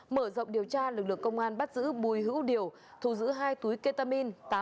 mở rộng điều tra lực lượng công an bắt giữ bùi hữu điều thu giữ hai túi ketamin